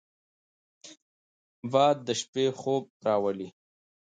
باد د شپې خوب راولي